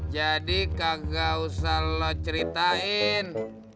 jadi kagak usah lo ceritain